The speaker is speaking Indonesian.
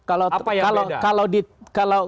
apa yang beda